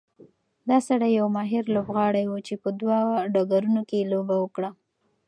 دا سړی یو ماهر لوبغاړی و چې په دوه ډګرونو کې یې لوبه وکړه.